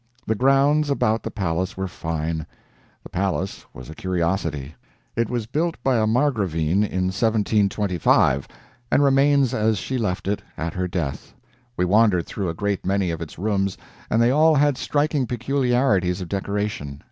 The grounds about the palace were fine; the palace was a curiosity. It was built by a Margravine in 1725, and remains as she left it at her death. We wandered through a great many of its rooms, and they all had striking peculiarities of decoration.